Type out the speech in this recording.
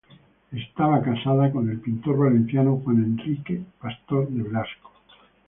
Estaba casada con el pintor valenciano Juan Enrique Pastor de Velasco.